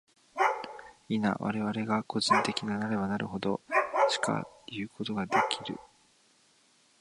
否、我々は個人的なればなるほど、しかいうことができる。